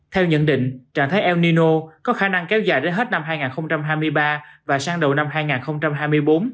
theo nhận định trạng thái el nino có khả năng kéo dài đến hết năm hai nghìn hai mươi ba và sang đầu năm hai nghìn hai mươi bốn